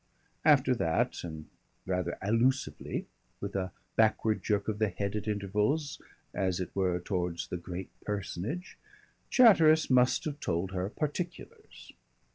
After that, and rather allusively, with a backward jerk of the head at intervals as it were towards the great personage, Chatteris must have told her particulars.